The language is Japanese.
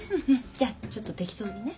じゃちょっと適当にね。